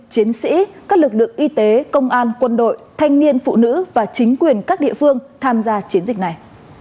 chiến sĩ các lực lượng y tế công an quân đội thanh niên phụ nữ và chính quyền các địa phương tham gia chiến dịch này